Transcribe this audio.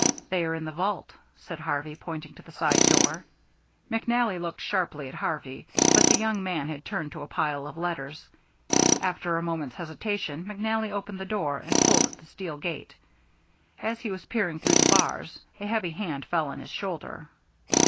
"They are in the vault," said Harvey, pointing to the side door. McNally looked sharply at Harvey, but the young man had turned to a pile of letters. After a moment's hesitation McNally opened the door and pulled at the steel gate. As he was peering through the bars, a heavy hand fell on his shoulder.